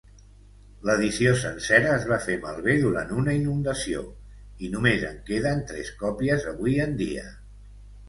L'edició sencera es va fer malbé durant una inundació, i només en queden tres copies avui en dia.